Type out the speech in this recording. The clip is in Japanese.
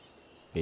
え？